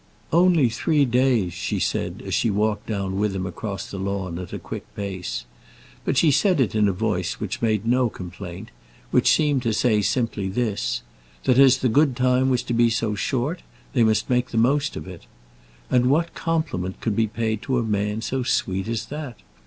"Only three days," she said, as she walked down with him across the lawn at a quick pace. But she said it in a voice which made no complaint, which seemed to say simply this, that as the good time was to be so short, they must make the most of it. And what compliment could be paid to a man so sweet as that?